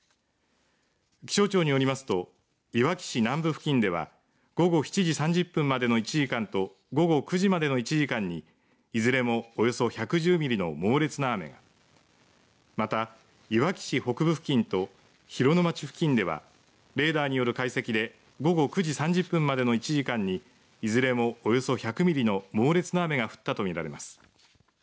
気象庁によりますといわき市南部付近では午後７時３０分までの１時間と午後９時までの１時間にいずれもおよそ１１０ミリの猛烈な雨がまた、いわき市北部付近と広野町付近ではレーダーによる解析で午後９時３０分までの１時間にいずれもおよそ１００ミリの猛烈な雨が降ったと見られます。